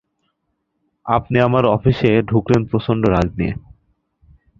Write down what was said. আপনি আমার অফিসে ঢুকলেন প্রচণ্ড রাগ নিয়ে।